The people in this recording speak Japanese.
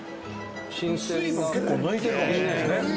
水分結構抜いてるかもしんないですね